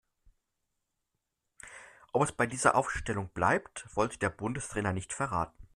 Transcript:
Ob es bei dieser Aufstellung bleibt, wollte der Bundestrainer nicht verraten.